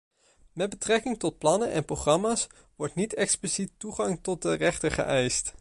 Met betrekking tot plannen en programma's wordt niet expliciet toegang tot de rechter geëist.